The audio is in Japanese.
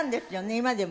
今でも。